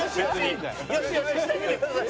よしよししてあげてください。